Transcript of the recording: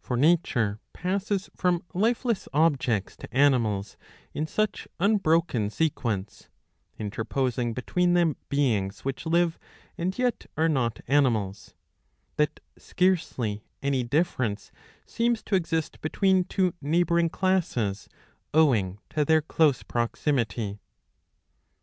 For nature passes from lifeless objects to animals in such unbroken sequence, interposing between them beings which live and yet are not animals, that scarcely any difference seems to exist between two neighbouring classes owing to their close proximity.